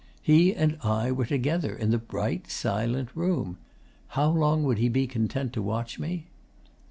He and I were together in the bright, silent room. How long would he be content to watch me?